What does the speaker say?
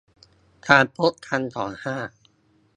การพบกันของ ห้า